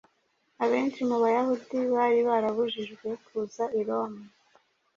Abenshi mu Bayahudi bari barabujijwe kuza i Roma,